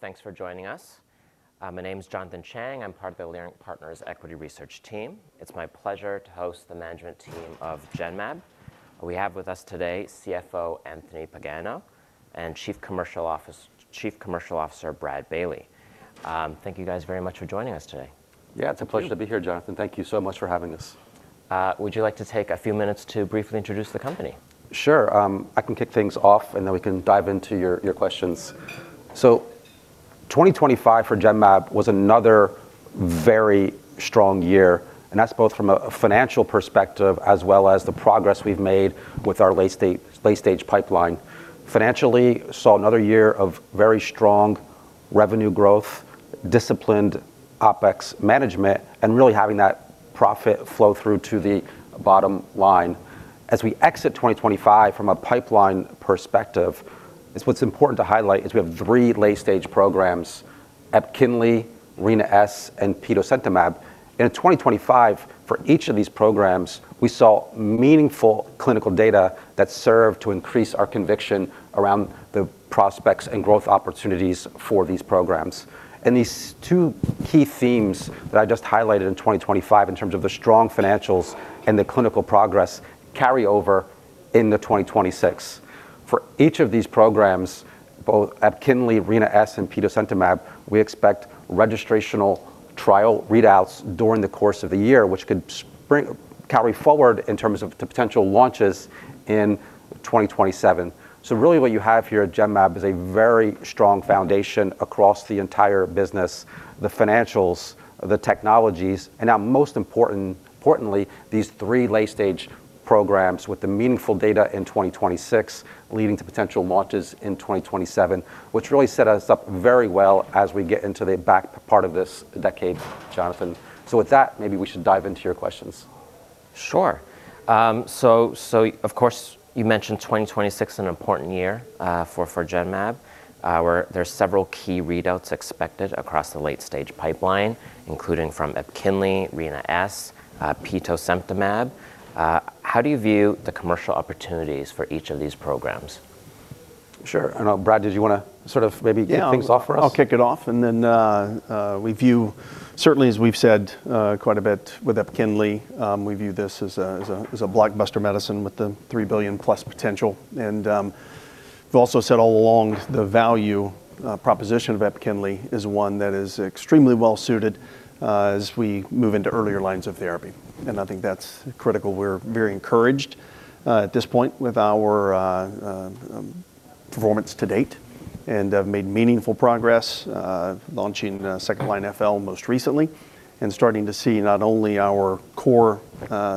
Thanks for joining us. My name's Jonathan Chang. I'm part of the Leerink Partners Equity Research team. It's my pleasure to host the management team of Genmab. We have with us today CFO Anthony Pagano and Chief Commercial Officer Brad Bailey. Thank you guys very much for joining us today. Yeah, it's a pleasure to be here, Jonathan. Thank you so much for having us. Would you like to take a few minutes to briefly introduce the company? Sure. I can kick things off, and then we can dive into your questions. 2025 for Genmab was another very strong year, and that's both from a financial perspective as well as the progress we've made with our late stage pipeline. Financially, saw another year of very strong revenue growth, disciplined OpEx management, and really having that profit flow through to the bottom line. As we exit 2025 from a pipeline perspective, what's important to highlight is we have three late stage programs, EPKINLY, Rina-S, and petosemtamab. In 2025, for each of these programs, we saw meaningful clinical data that served to increase our conviction around the prospects and growth opportunities for these programs. These two key themes that I just highlighted in 2025 in terms of the strong financials and the clinical progress carry over into 2026. For each of these programs, both EPKINLY, Rina-S and petosemtamab, we expect registrational trial readouts during the course of the year, which could carry forward in terms of the potential launches in 2027. Really what you have here at Genmab is a very strong foundation across the entire business, the financials, the technologies, and now most importantly, these three late stage programs with the meaningful data in 2026 leading to potential launches in 2027, which really set us up very well as we get into the back part of this decade, Jonathan. With that, maybe we should dive into your questions. Sure. Of course, you mentioned 2026, an important year for Genmab, where there's several key readouts expected across the late stage pipeline, including from EPKINLY, Rina-S, petosemtamab. How do you view the commercial opportunities for each of these programs? Sure. I know, Brad. Did you wanna sort of maybe— Yeah. kick things off for us? I'll kick it off and then we certainly view as we've said quite a bit with EPKINLY. We view this as a blockbuster medicine with the $3 billion+ potential. We've also said all along the value proposition of EPKINLY is one that is extremely well suited as we move into earlier lines of therapy, and I think that's critical. We're very encouraged at this point with our performance to date and have made meaningful progress launching second-line FL most recently and starting to see not only our core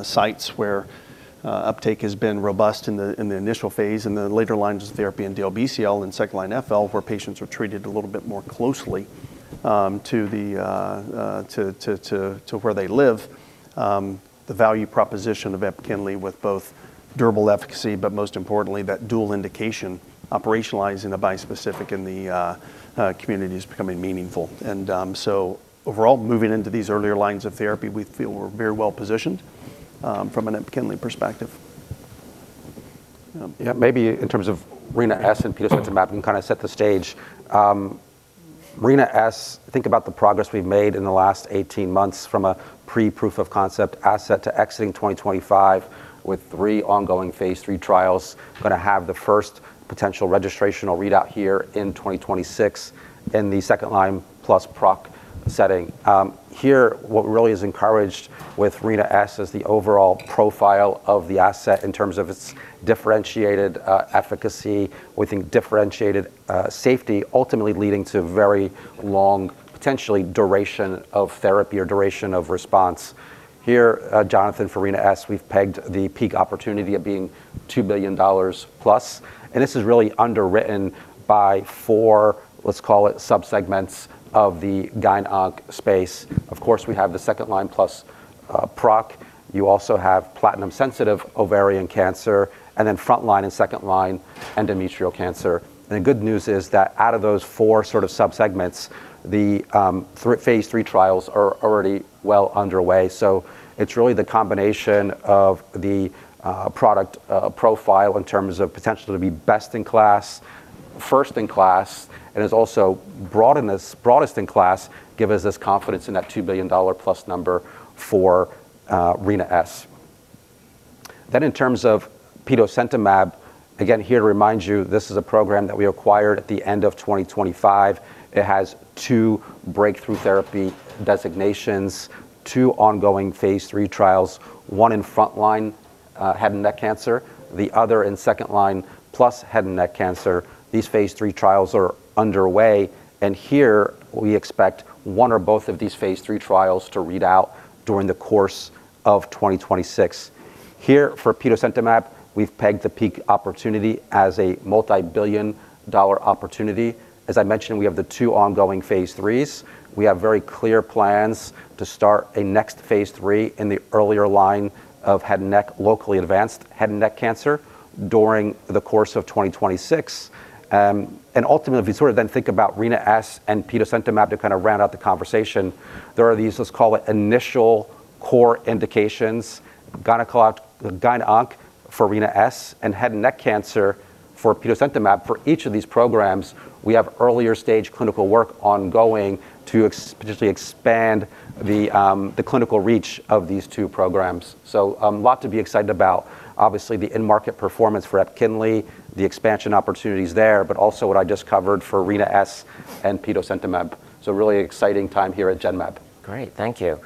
sites where uptake has been robust in the initial phase in the later lines of therapy in DLBCL and second-line FL, where patients are treated a little bit more closely to where they live. The value proposition of EPKINLY with both durable efficacy, but most importantly that dual indication operationalizing the bispecific in the community is becoming meaningful. Overall, moving into these earlier lines of therapy, we feel we're very well positioned from an EPKINLY perspective. Yeah, maybe in terms of Rina-S and petosemtamab and kinda set the stage, Rina-S, think about the progress we've made in the last 18 months from a pre-proof of concept asset to exiting 2025 with three ongoing phase III trials. Gonna have the first potential registrational readout here in 2026 in the second line plus PROC setting. What really is encouraged with Rina-S is the overall profile of the asset in terms of its differentiated efficacy with a differentiated safety ultimately leading to very long potentially duration of therapy or duration of response. Here, Jonathan, for Rina-S, we've pegged the peak opportunity of being $2 billion+, and this is really underwritten by four, let's call it subsegments of the gyn-onc space. Of course, we have the second line plus PROC. You also have platinum-sensitive ovarian cancer and then front line and second line endometrial cancer. The good news is that out of those four sort of subsegments, the phase III trials are already well underway. It's really the combination of the product profile in terms of potentially to be best in class, first in class, and is also broadest in class, give us this confidence in that $2 billion+ number for Rina-S. In terms of petosemtamab, again, here to remind you, this is a program that we acquired at the end of 2025. It has two breakthrough therapy designations, two ongoing phase III trials, one in front line head and neck cancer, the other in second line plus head and neck cancer. These phase III trials are underway, and here we expect one or both of these phase III trials to read out during the course of 2026. Here for petosemtamab, we've pegged the peak opportunity as a multi-billion dollar opportunity. As I mentioned, we have the two ongoing phase IIIs. We have very clear plans to start a next phase III in the earlier line of locally advanced head and neck cancer during the course of 2026. Ultimately, if you sort of then think about Rina-S and petosemtamab to kind of round out the conversation, there are these, let's call it initial core indications, gyn-onc for Rina-S and head and neck cancer for petosemtamab. For each of these programs, we have earlier stage clinical work ongoing to expeditiously expand the clinical reach of these two programs. A lot to be excited about. Obviously, the in-market performance for EPKINLY, the expansion opportunities there, but also what I just covered for Rina-S and petosemtamab. Really exciting time here at Genmab. Great. Thank you.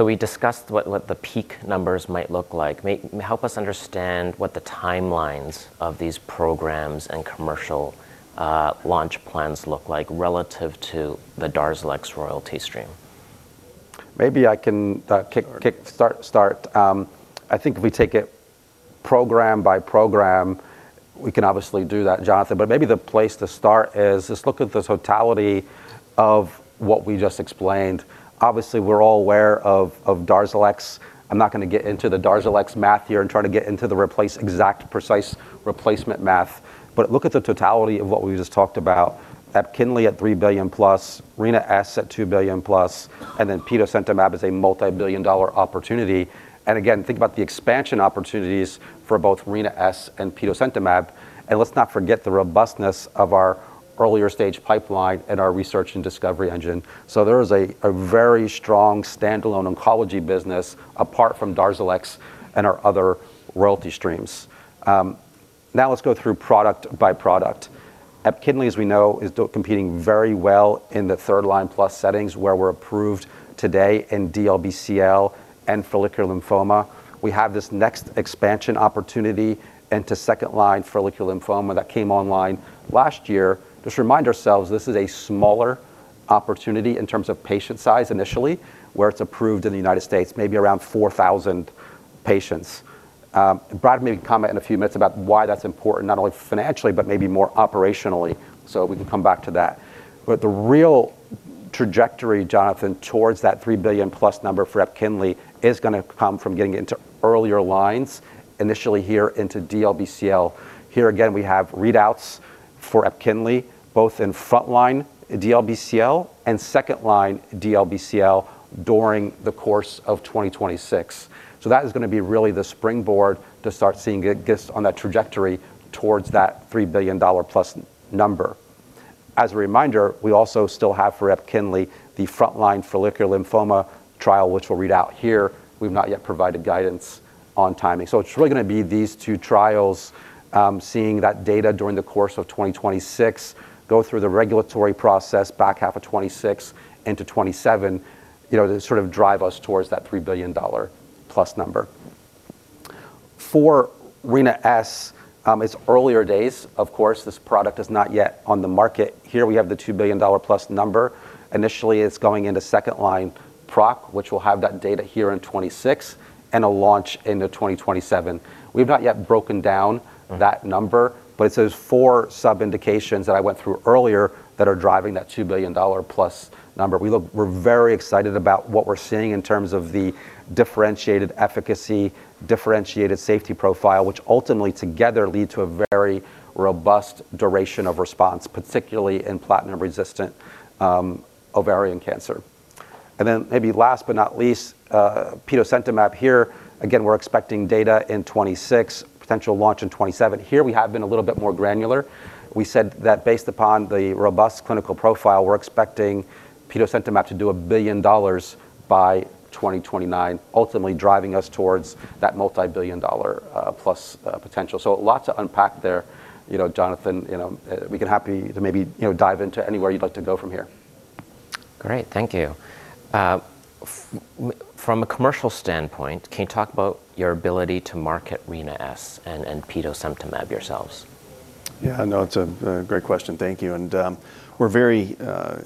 We discussed what the peak numbers might look like. Help us understand what the timelines of these programs and commercial launch plans look like relative to the DARZALEX royalty stream. Maybe I can kick start. I think if we take it program by program, we can obviously do that, Jonathan, but maybe the place to start is just look at this totality of what we just explained. Obviously, we're all aware of DARZALEX. I'm not gonna get into the DARZALEX math here and try to get into the exact precise replacement math. Look at the totality of what we just talked about. EPKINLY at $3 billion+, Rina-S at $2 billion+, and then petosemtamab is a multi-billion dollar opportunity. Again, think about the expansion opportunities for both Rina-S and petosemtamab. Let's not forget the robustness of our earlier stage pipeline and our research and discovery engine. There is a very strong standalone oncology business apart from DARZALEX and our other royalty streams. Now let's go through product by product. EPKINLY, as we know, is competing very well in the third-line plus settings where we're approved today in DLBCL and follicular lymphoma. We have this next expansion opportunity into second line follicular lymphoma that came online last year. Just remind ourselves, this is a smaller opportunity in terms of patient size initially, where it's approved in the United States, maybe around 4,000 patients. Brad may comment in a few minutes about why that's important, not only financially, but maybe more operationally. We can come back to that. The real trajectory, Jonathan, towards that $3 billion+ number for EPKINLY is gonna come from getting into earlier lines, initially here into DLBCL. Here again, we have readouts for EPKINLY, both in frontline DLBCL and second line DLBCL during the course of 2026. That is gonna be really the springboard to start seeing it gets on that trajectory towards that $3 billion+ number. As a reminder, we also still have for EPKINLY, the frontline follicular lymphoma trial, which we'll read out here. We've not yet provided guidance on timing. It's really gonna be these two trials, seeing that data during the course of 2026, go through the regulatory process back half of 2026 into 2027, you know, to sort of drive us towards that $3 billion+ number. For Rina-S, its earlier days, of course, this product is not yet on the market. Here we have the $2 billion+ number. Initially, it's going into second line PROC, which will have that data here in 2026 and a launch into 2027. We've not yet broken down that number, but it's those four sub-indications that I went through earlier that are driving that $2 billion+ number. We're very excited about what we're seeing in terms of the differentiated efficacy, differentiated safety profile, which ultimately together lead to a very robust duration of response, particularly in platinum-resistant ovarian cancer. Then maybe last but not least, petosemtamab here. Again, we're expecting data in 2026, potential launch in 2027. Here we have been a little bit more granular. We said that based upon the robust clinical profile, we're expecting petosemtamab to do $1 billion by 2029, ultimately driving us towards that multi-billion-dollar-plus potential. A lot to unpack there. You know, Jonathan, you know, we're happy to maybe, you know, dive into anywhere you'd like to go from here. Great. Thank you. From a commercial standpoint, can you talk about your ability to market Rina-S and petosemtamab yourselves? Yeah, no, it's a great question. Thank you. We're very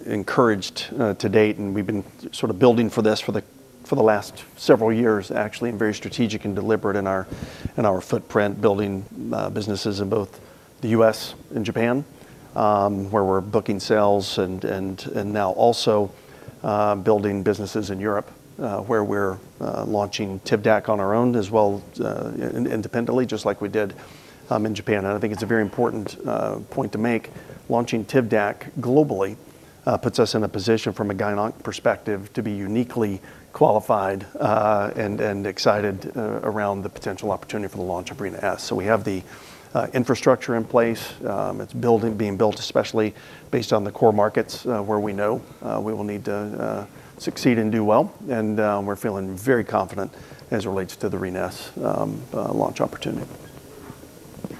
encouraged to date, and we've been sort of building for this for the last several years, actually, and very strategic and deliberate in our footprint building, businesses in both the U.S. and Japan, where we're booking sales and now also building businesses in Europe, where we're launching TIVDAK on our own as well, independently, just like we did in Japan. I think it's a very important point to make. Launching TIVDAK globally puts us in a position from a gyn-onc perspective to be uniquely qualified and excited around the potential opportunity for the launch of Rina-S. We have the infrastructure in place. It's building, being built, especially based on the core markets, where we know we will need to succeed and do well. We're feeling very confident as it relates to the Rina-S launch opportunity.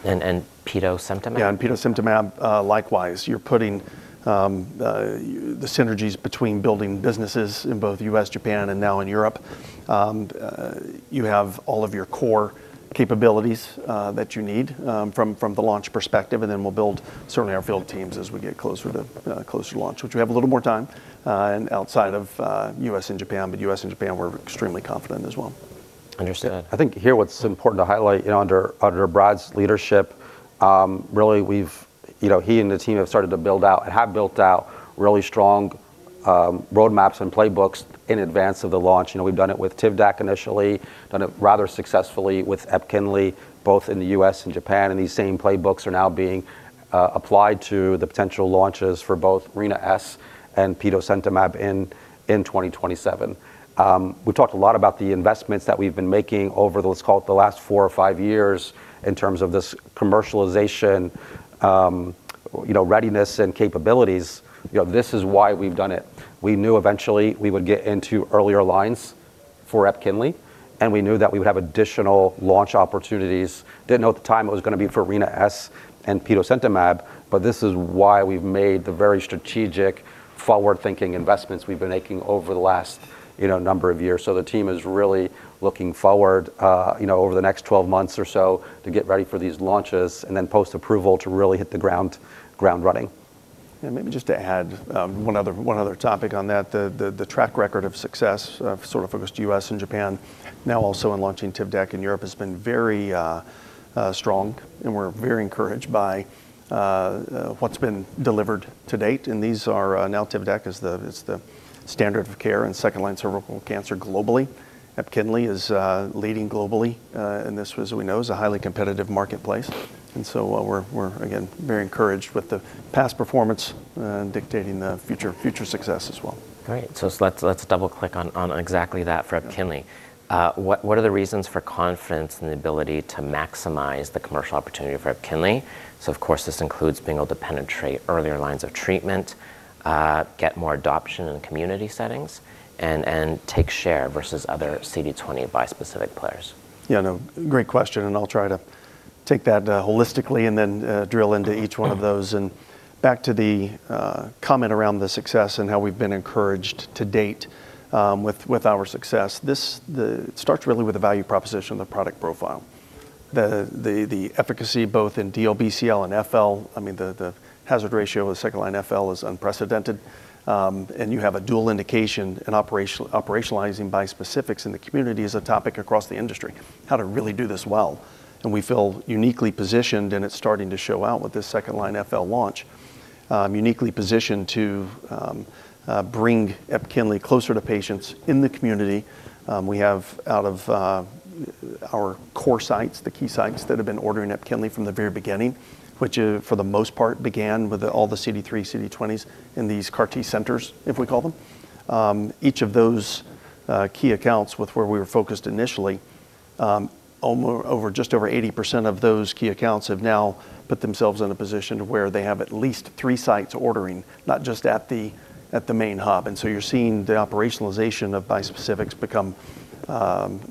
And petosemtamab? Yeah, and petosemtamab, likewise. You're putting the synergies between building businesses in both U.S., Japan, and now in Europe. You have all of your core capabilities that you need from the launch perspective. We'll build certainly our field teams as we get closer to launch. We have a little more time outside of U.S. and Japan, but U.S. and Japan, we're extremely confident as well. Understood. I think here what's important to highlight, you know, under Brad's leadership, really, you know, he and the team have started to build out and have built out really strong roadmaps and playbooks in advance of the launch. You know, we've done it with TIVDAK initially, done it rather successfully with EPKINLY, both in the U.S. and Japan, and these same playbooks are now being applied to the potential launches for both Rina-S and petosemtamab in 2027. We talked a lot about the investments that we've been making over let's call it the last four or five years in terms of this commercialization, you know, readiness and capabilities. You know, this is why we've done it. We knew eventually we would get into earlier lines for EPKINLY, and we knew that we would have additional launch opportunities. Didn't know at the time it was gonna be for Rina-S and petosemtamab, but this is why we've made the very strategic forward-thinking investments we've been making over the last, you know, number of years. The team is really looking forward, you know, over the next 12 months or so to get ready for these launches and then post-approval to really hit the ground running. Yeah, maybe just to add one other topic on that. The track record of success, sort of focused on the U.S. and Japan now also in launching TIVDAK in Europe has been very strong, and we're very encouraged by what's been delivered to date. Now, TIVDAK is the standard of care in second-line cervical cancer globally. EPKINLY is leading globally, and this, we know, is a highly competitive marketplace. While we're again very encouraged with the past performance dictating the future success as well. Great. Let's double-click on exactly that for EPKINLY. What are the reasons for confidence in the ability to maximize the commercial opportunity for EPKINLY? Of course, this includes being able to penetrate earlier lines of treatment, get more adoption in community settings and take share versus other CD20 bispecific players. Yeah, no. Great question, and I'll try to take that holistically and then drill into each one of those. Back to the comment around the success and how we've been encouraged to date with our success. It starts really with the value proposition and the product profile. The efficacy both in DLBCL and FL, I mean, the hazard ratio of second-line FL is unprecedented, and you have a dual indication and operationalizing bispecifics in the community is a topic across the industry, how to really do this well. We feel uniquely positioned, and it's starting to show out with this second-line FL launch, uniquely positioned to bring EPKINLY closer to patients in the community. We have out of our core sites, the key sites that have been ordering EPKINLY from the very beginning, which for the most part began with all the CD3, CD20s in these CAR-T centers, if we call them. Each of those key accounts with where we were focused initially, just over 80% of those key accounts have now put themselves in a position where they have at least three sites ordering, not just at the main hub. You're seeing the operationalization of bispecifics become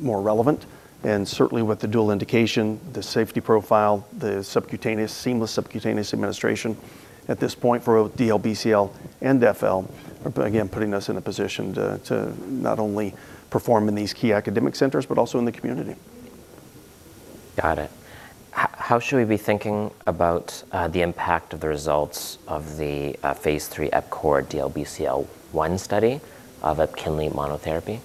more relevant and certainly with the dual indication, the safety profile, the seamless subcutaneous administration at this point for both DLBCL and FL, but again, putting us in a position to not only perform in these key academic centers but also in the community. Got it. How should we be thinking about the impact of the results of the phase III EPCORE DLBCL-1 study of EPKINLY monotherapy?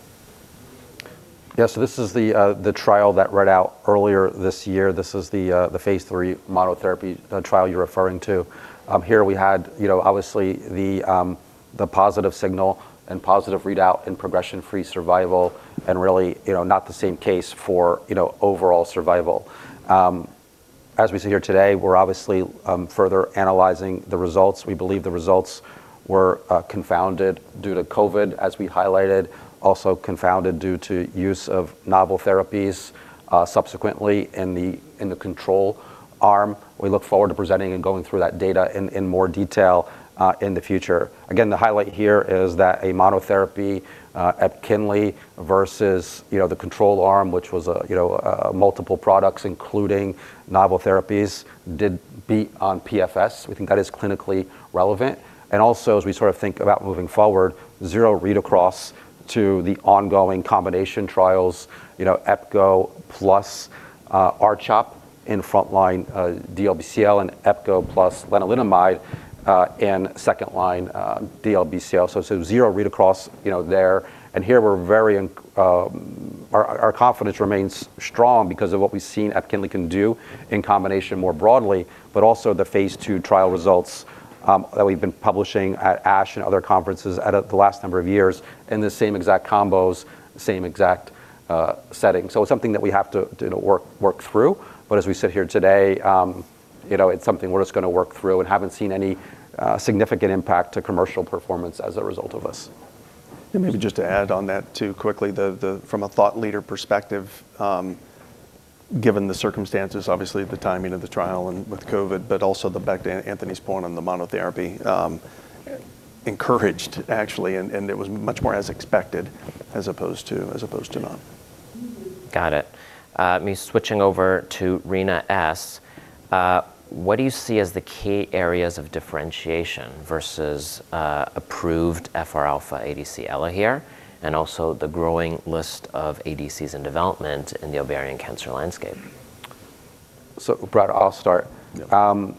Yeah. This is the trial that read out earlier this year. This is the phase III monotherapy trial you're referring to. Here we had, you know, obviously the positive signal and positive readout in progression-free survival and really, you know, not the same case for, you know, overall survival. As we sit here today, we're obviously further analyzing the results. We believe the results were confounded due to COVID, as we highlighted, also confounded due to use of novel therapies subsequently in the control arm. We look forward to presenting and going through that data in more detail in the future. Again, the highlight here is that a monotherapy EPKINLY versus, you know, the control arm, which was a, you know, multiple products including novel therapies, did beat on PFS. We think that is clinically relevant. Also as we sort of think about moving forward, zero read across to the ongoing combination trials, you know, epcoritamab plus R-CHOP in frontline DLBCL, and epcoritamab plus lenalidomide in second-line DLBCL. Zero read across, you know, there. Here our confidence remains strong because of what we've seen EPKINLY can do in combination more broadly, but also the phase II trial results that we've been publishing at ASH and other conferences at the last number of years in the same exact combos, same exact setting. It's something that we have to, you know, work through. As we sit here today, you know, it's something we're just gonna work through and haven't seen any significant impact to commercial performance as a result of this. Maybe just to add on that too quickly, from a thought leader perspective, given the circumstances, obviously the timing of the trial and with COVID, but also back to Anthony's point on the monotherapy, encouraged actually, and it was much more as expected as opposed to not. Got it. Now switching over to Rina-S, what do you see as the key areas of differentiation versus approved FRα ADC ELAHERE and also the growing list of ADCs in development in the ovarian cancer landscape? Brad, I'll start. Yep.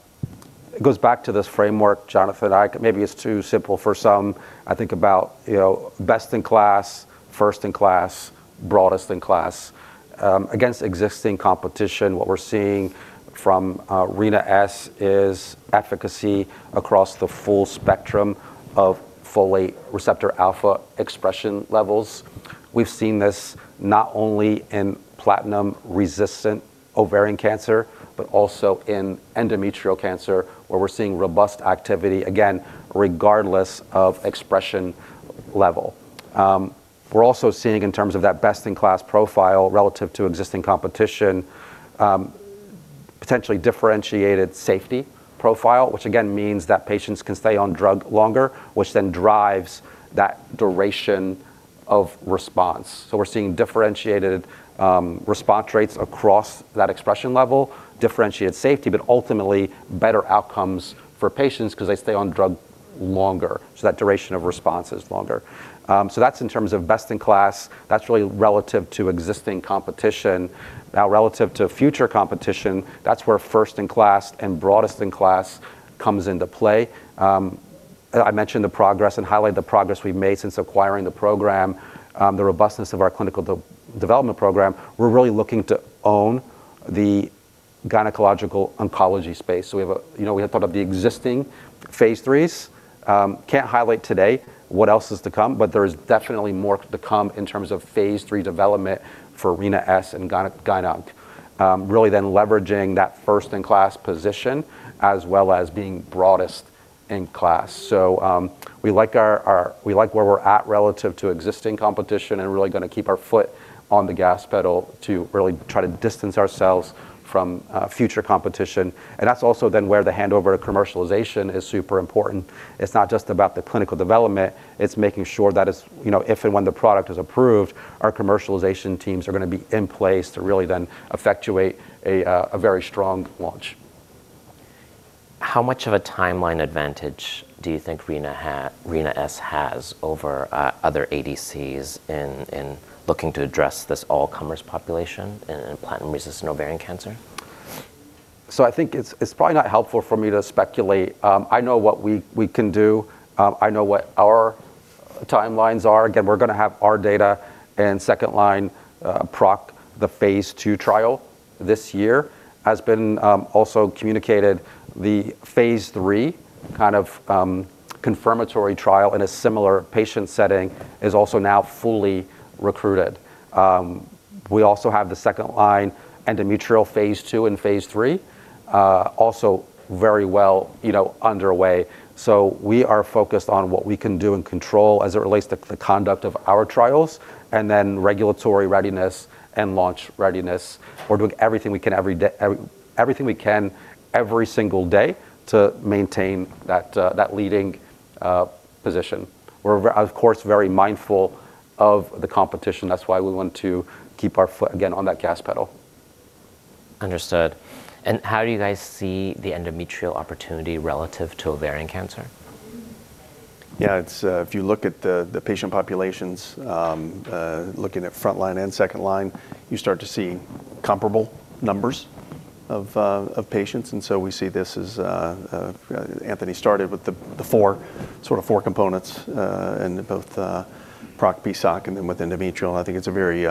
It goes back to this framework, Jonathan. Maybe it's too simple for some. I think about, you know, best in class, first in class, broadest in class. Against existing competition, what we're seeing from Rina-S is efficacy across the full spectrum of folate receptor alpha expression levels. We've seen this not only in platinum-resistant ovarian cancer, but also in endometrial cancer, where we're seeing robust activity, again, regardless of expression level. We're also seeing in terms of that best-in-class profile relative to existing competition, potentially differentiated safety profile, which again means that patients can stay on drug longer, which then drives that duration of response. We're seeing differentiated response rates across that expression level, differentiated safety, but ultimately better outcomes for patients because they stay on drug longer. That duration of response is longer. That's in terms of best in class. That's really relative to existing competition. Now, relative to future competition, that's where first in class and broadest in class comes into play. I mentioned the progress and highlight the progress we've made since acquiring the program, the robustness of our clinical development program. We're really looking to own the gynecologic oncology space. You know, we have thought of the existing phase IIIs. Can't highlight today what else is to come, but there's definitely more to come in terms of phase three development for Rina-S and gyn-onc. Really then leveraging that first in class position as well as being broadest in class. We like where we're at relative to existing competition and really gonna keep our foot on the gas pedal to really try to distance ourselves from future competition. That's also then where the handover to commercialization is super important. It's not just about the clinical development, it's making sure that it's if and when the product is approved, our commercialization teams are gonna be in place to really then effectuate a very strong launch. How much of a timeline advantage do you think Rina-S has over other ADCs in looking to address this all-comers population in platinum-resistant ovarian cancer? I think it's probably not helpful for me to speculate. I know what we can do. I know what our timelines are. Again, we're gonna have our data in second line PROC phase II trial this year. It has been also communicated the phase III kind of confirmatory trial in a similar patient setting is also now fully recruited. We also have the second line endometrial phase II and phase III also very well, you know, underway. We are focused on what we can do and control as it relates to conduct of our trials and then regulatory readiness and launch readiness. We're doing everything we can every single day to maintain that leading position. We're of course very mindful of the competition. That's why we want to keep our foot again on that gas pedal. Understood. How do you guys see the endometrial opportunity relative to ovarian cancer? Yeah, it's if you look at the patient populations, looking at frontline and second line, you start to see comparable numbers of patients. We see this as Anthony started with the four sort of components in both PROC PSOC and then with endometrial. I think it's a very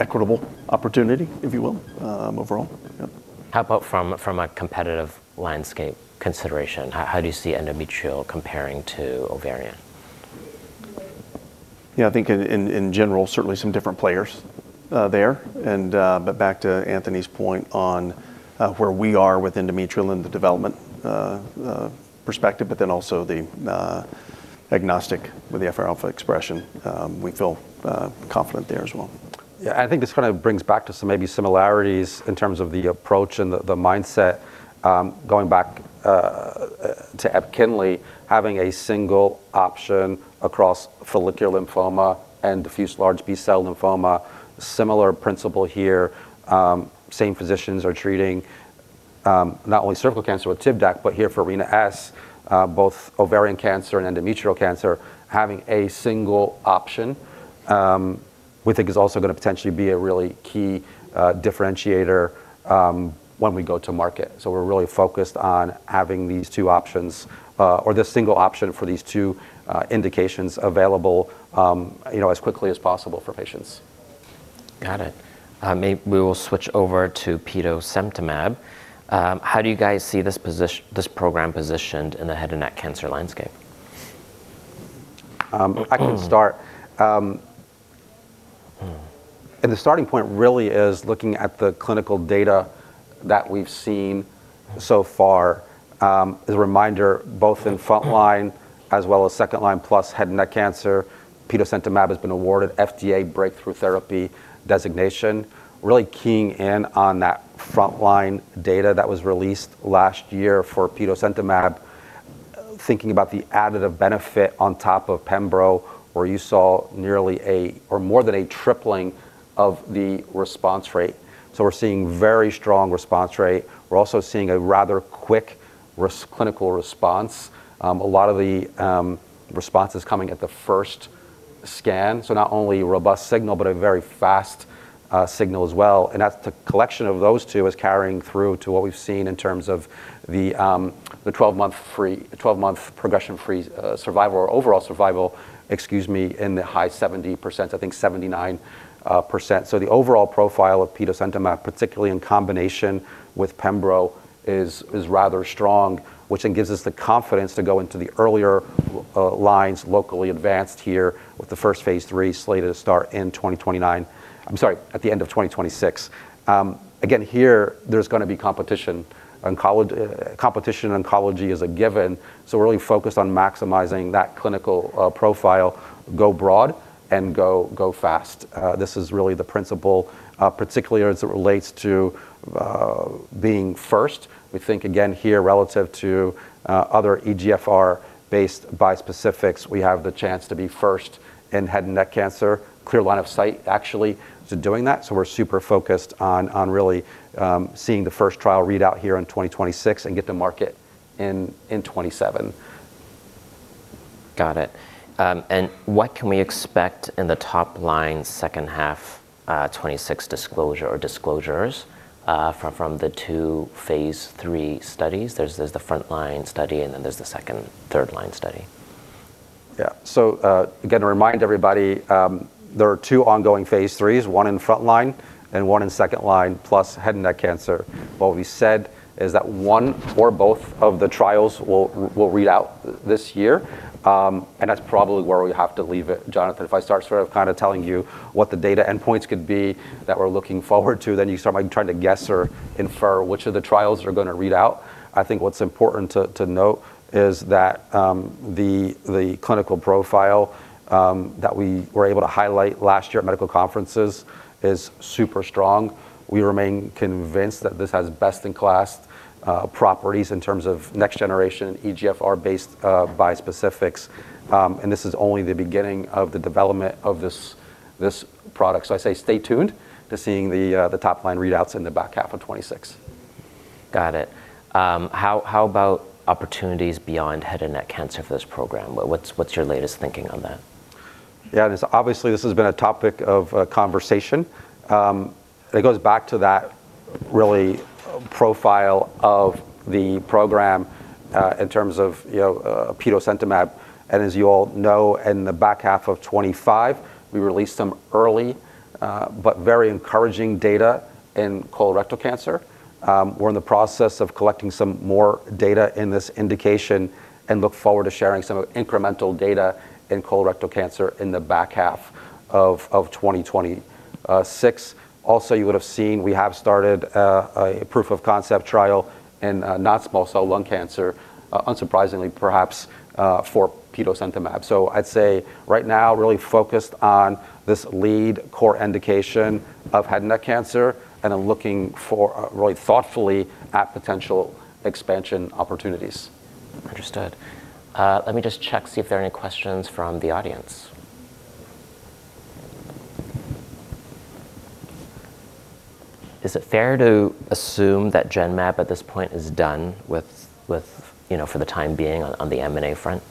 equitable opportunity, if you will, overall. Yep. How about from a competitive landscape consideration? How do you see endometrial comparing to ovarian? Yeah, I think in general, certainly some different players there. Back to Anthony's point on where we are with endometrial in the development perspective, but then also the agnostic with the FRα expression, we feel confident there as well. Yeah. I think this kinda brings back to some maybe similarities in terms of the approach and the mindset, going back to EPKINLY having a single option across follicular lymphoma and diffuse large B-cell lymphoma. Similar principle here. Same physicians are treating not only cervical cancer with TIVDAK, but here for Rina-S both ovarian cancer and endometrial cancer, having a single option we think is also gonna potentially be a really key differentiator when we go to market. We're really focused on having these two options or this single option for these two indications available, you know, as quickly as possible for patients. Got it. We will switch over to petosemtamab. How do you guys see this program positioned in the head and neck cancer landscape? I can start. The starting point really is looking at the clinical data that we've seen so far. As a reminder, both in frontline as well as second-line plus head and neck cancer, petosemtamab has been awarded FDA Breakthrough Therapy Designation. Really keying in on that frontline data that was released last year for petosemtamab, thinking about the additive benefit on top of pembrolizumab, where you saw nearly a or more than a tripling of the response rate. We're seeing very strong response rate. We're also seeing a rather quick clinical response. A lot of the responses coming at the first scan. Not only robust signal, but a very fast signal as well. The collection of those two is carrying through to what we've seen in terms of the 12-month progression-free survival or overall survival, excuse me, in the high 70s%, I think 79%. The overall profile of petosemtamab, particularly in combination with pembrolizumab, is rather strong, which then gives us the confidence to go into the earlier lines locally advanced head and neck with the first phase III slated to start in 2029. I'm sorry, at the end of 2026. Again, there's gonna be competition. Competition in oncology is a given, so we're really focused on maximizing that clinical profile, go broad, and go fast. This is really the principle, particularly as it relates to being first. We think again here relative to other EGFR-based bispecifics, we have the chance to be first in head and neck cancer. Clear line of sight, actually, to doing that, so we're super focused on really seeing the first trial readout here in 2026 and get to market in 2027. Got it. What can we expect in the top-line second half 2026 disclosure or disclosures from the two phase III studies? There's the front line study, and then there's the second, third line study. Yeah. Again, to remind everybody, there are two ongoing phase IIIs, one in front line and one in second line, plus head and neck cancer. What we said is that one or both of the trials will read out this year, and that's probably where we have to leave it, Jonathan. If I start sort of kind of telling you what the data endpoints could be that we're looking forward to, then you start like trying to guess or infer which of the trials are gonna read out. I think what's important to note is that the clinical profile that we were able to highlight last year at medical conferences is super strong. We remain convinced that this has best-in-class properties in terms of next generation EGFR-based bispecifics. This is only the beginning of the development of this product. I say stay tuned to seeing the top-line readouts in the back half of 2026. Got it. How about opportunities beyond head and neck cancer for this program? What's your latest thinking on that? Yeah. This obviously has been a topic of conversation. It goes back to that real profile of the program in terms of, you know, petosemtamab. As you all know, in the back half of 2025, we released some early but very encouraging data in colorectal cancer. We're in the process of collecting some more data in this indication and look forward to sharing some incremental data in colorectal cancer in the back half of 2026. You would have seen we have started a proof of concept trial in non-small cell lung cancer, unsurprisingly perhaps, for petosemtamab. I'd say right now really focused on this lead core indication of head and neck cancer and are looking really thoughtfully at potential expansion opportunities. Understood. Let me just check, see if there are any questions from the audience. Is it fair to assume that Genmab at this point is done with you know, for the time being on the M&A front?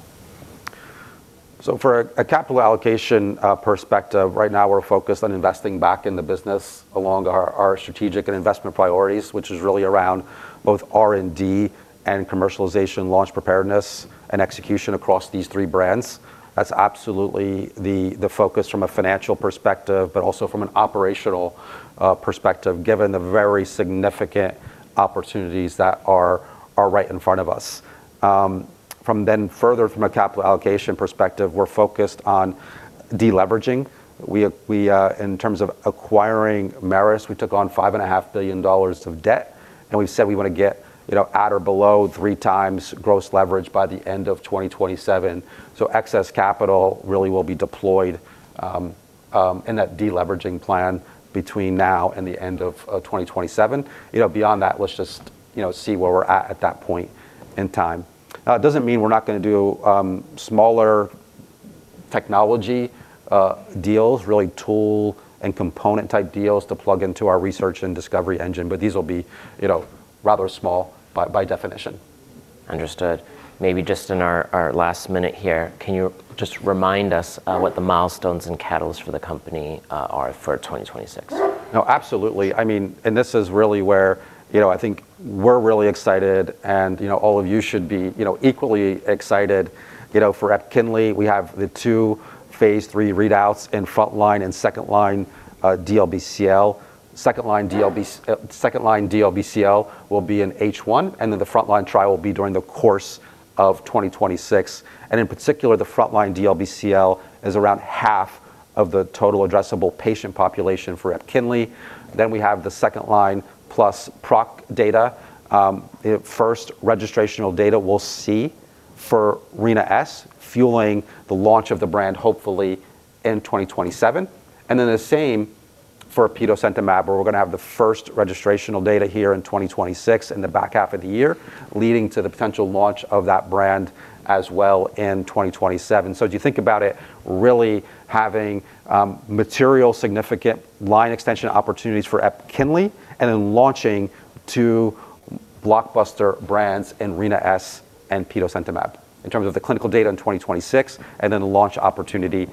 For a capital allocation perspective, right now we're focused on investing back in the business along our strategic and investment priorities, which is really around both R&D and commercialization launch preparedness and execution across these three brands. That's absolutely the focus from a financial perspective, but also from an operational perspective, given the very significant opportunities that are right in front of us. From then further from a capital allocation perspective, we're focused on deleveraging. In terms of acquiring Merus, we took on $5.5 billion of debt, and we've said we wanna get, you know, at or below 3x gross leverage by the end of 2027. Excess capital really will be deployed in that deleveraging plan between now and the end of 2027. You know, beyond that, let's just, you know, see where we're at that point in time. It doesn't mean we're not gonna do smaller technology deals, really tool and component type deals to plug into our research and discovery engine, but these will be, you know, rather small by definition. Understood. Maybe just in our last minute here, can you just remind us what the milestones and catalysts for the company are for 2026? No, absolutely. I mean, this is really where, you know, I think we're really excited and, you know, all of you should be, you know, equally excited. You know, for EPKINLY, we have the two phase III readouts in front line and second line DLBCL. Second line DLBCL will be in H1, and then the front line trial will be during the course of 2026. In particular, the front line DLBCL is around half of the total addressable patient population for EPKINLY. We have the second-line plus PROC data, the first registrational data we'll see for Rina-S, fueling the launch of the brand hopefully in 2027. The same for petosemtamab, where we're gonna have the first registrational data here in 2026 in the back half of the year, leading to the potential launch of that brand as well in 2027. As you think about it, really having material significant line extension opportunities for EPKINLY, and then launching two blockbuster brands in Rina-S and petosemtamab in terms of the clinical data in 2026, and then the launch opportunity in—